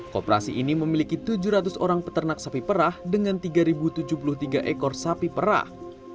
koperasi ini memiliki tujuh ratus orang peternak sapi perah dengan tiga tujuh puluh tiga ekor sapi perah